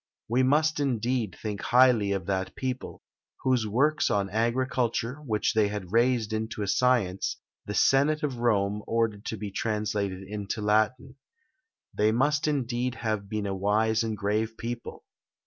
We must indeed think highly of that people, whose works on agriculture, which they had raised into a science, the senate of Rome ordered to be translated into Latin. They must indeed have been a wise and grave people.